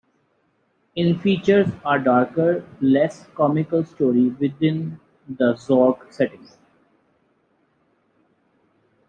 It features a darker, less comical story within the Zork setting.